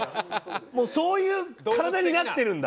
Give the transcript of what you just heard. もうそういう体になってるんだ。